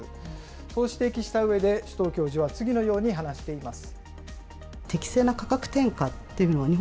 こう指摘したうえで、首藤教授は次のように話しています。